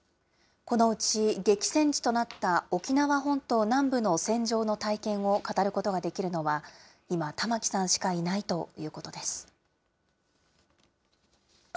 このうち、激戦地となった沖縄本島南部の戦場の体験を語ることができるのは、今、玉木さんしかいないということです。